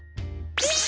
えっ！